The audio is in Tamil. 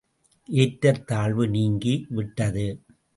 ஏற்றத் தாழ்வு நீங்கி விட்டது.